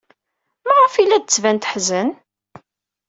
Maɣef ay la d-tettban teḥzen?